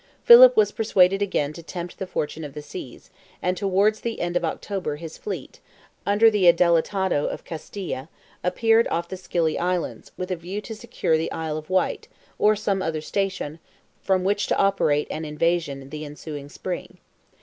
Philip was persuaded again to tempt the fortune of the seas, and towards the end of October his fleet, under the Adelantado of Castille, appeared off the Scilly Islands, with a view to secure the Isle of Wight, or some other station, from which to operate an invasion the ensuing spring.